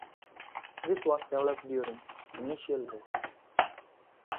This was developed during Venetial rule.